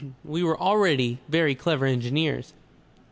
We were already very clever engineers.